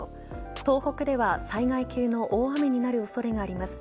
東北では、災害級の大雨になる恐れがあります。